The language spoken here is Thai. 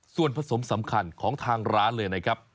ส่วนผสมสำคัญของทางร้านเลยนะครับ